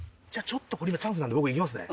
ちょっとこれ今チャンスなんで僕行きますね。